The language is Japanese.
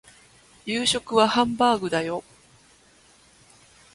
夕食はハンバーグだよ